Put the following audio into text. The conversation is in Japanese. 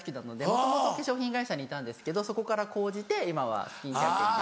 もともと化粧品会社にいたんですけどそこから高じて今はスキンケア研究家。